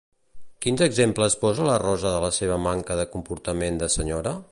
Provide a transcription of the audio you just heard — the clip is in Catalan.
Quins exemples posa la Rosa de la seva manca de comportament de senyora?